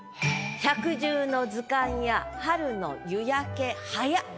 「百獣の図鑑や春の夕焼はや」。